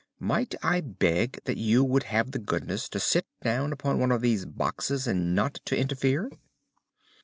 Might I beg that you would have the goodness to sit down upon one of those boxes, and not to interfere?"